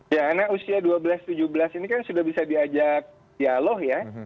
ya anak usia dua belas tujuh belas ini kan sudah bisa diajak dialog ya